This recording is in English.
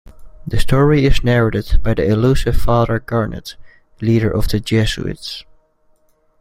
The story is narrated by the elusive Father Garnet, leader of the Jesuits.